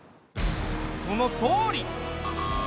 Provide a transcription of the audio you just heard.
そのとおり。